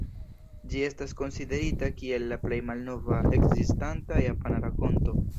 Ĝi estas konsiderita kiel la plej malnova ekzistanta japana rakonto.